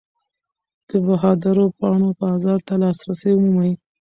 د بهادرو پاڼو بازار ته لاسرسی ومومئ.